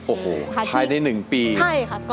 โอ้โหภายใน๑ปีใช่ค่ะค่ะ